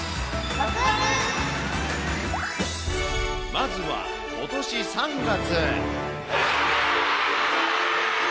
まずはことし３月。